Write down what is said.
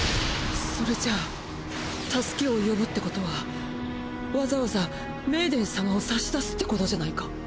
それじゃあ助けを呼ぶってことはわざわざメイデン様を差し出すってことじゃないか。